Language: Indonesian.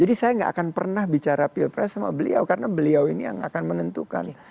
jadi saya gak akan pernah bicara pilpres sama beliau karena beliau ini yang akan menentukan